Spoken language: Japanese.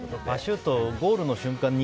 パシュート、ゴールの瞬間